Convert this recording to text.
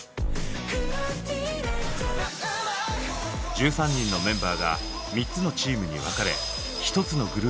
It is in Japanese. １３人のメンバーが３つのチームに分かれ１つのグループを作る。